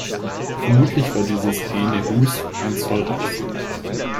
Vermutlich war dieses „ene Hus“ ein Zollhaus.